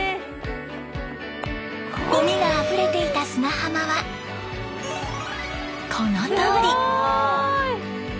ゴミがあふれていた砂浜はこのとおり！